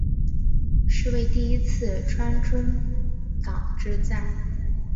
是为第一次川中岛之战。